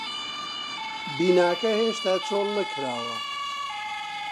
بیناکە هێشتا چۆڵ نەکراوە.